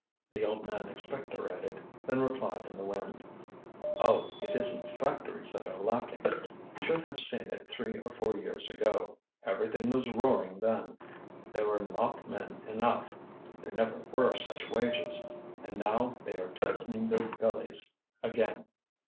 The old man expectorated, then replied in the wind: "Oh, it isn't factories that are lacking. Should have seen it three or four years ago. Everything was roaring then. There were not men enough; there never were such wages. And now they are tightening their bellies again.